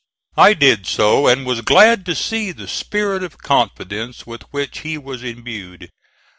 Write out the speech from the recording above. I did so, and was glad to see the spirit of confidence with which he was imbued.